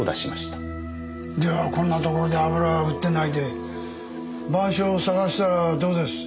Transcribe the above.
じゃあこんなところで油を売ってないで『晩鐘』を探したらどうです？